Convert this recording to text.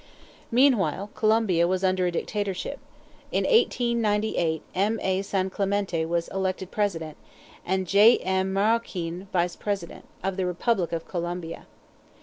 Meanwhile Colombia was under a dictatorship. In 1898 M. A. Sanclamente was elected President, and J. M. Maroquin Vice President, of the Republic of Colombia.